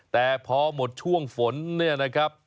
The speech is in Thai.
แต่พอหมดช่วงฝนเนี่ยนะครับ